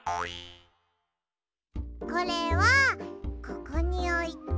これはここにおいて。